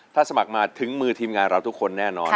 ถ้าสมัครมาถึงมือทีมงานเราทุกคนแน่นอน